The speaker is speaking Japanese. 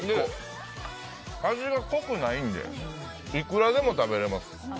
味が濃くないんでいくらでも食べれます。